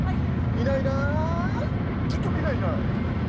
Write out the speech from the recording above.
いないいない結局いないいない！